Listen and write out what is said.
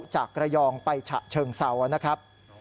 จากระยองไปฉะเชิงเซานะครับ